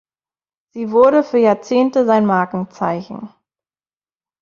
Sie wurde für Jahrzehnte sein Markenzeichen.